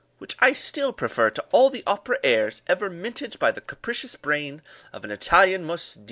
which I still prefer to all the opera airs ever minted by the capricious brain of an Italian Mus.